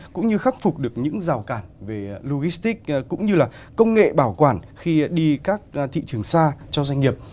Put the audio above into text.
cũng như khắc phục được những rào cản về logistics cũng như là công nghệ bảo quản khi đi các thị trường xa cho doanh nghiệp